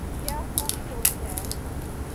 کیا خوب سوچ ہے۔